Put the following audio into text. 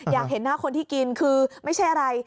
อยากเห็นหน้าคนที่กินคือไม่ใช่อะไร